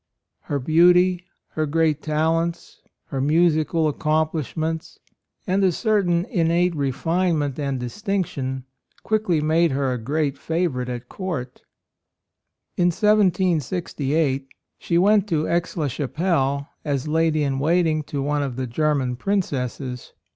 Her beauty, her great talents, 12 A ROYAL SON her musical accomplishments, and a certain innate refinement and distinction, quickly made her a great favorite at court. In 1768 she went to Aix la Chapelle as lady in waiting to one of the German princesses.